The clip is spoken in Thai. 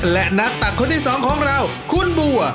และนักตักคนที่สองของเราคุณบัว